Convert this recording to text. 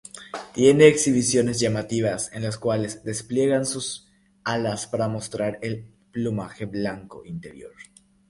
Tiene exhibiciones llamativas en las cuales despliegan sus para mostrar el plumaje blanco inferior.